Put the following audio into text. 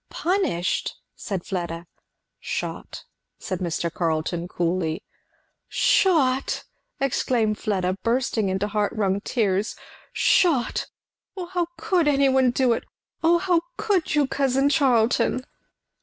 "Punished?" said Fleda. "Shot," said Mr. Carleton coolly. "Shot!" exclaimed Fleda, bursting into heart wrung tears, "Shot! O how could any one do it! Oh how could you, how could you, cousin Charlton?"